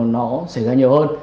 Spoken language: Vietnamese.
nó xảy ra nhiều hơn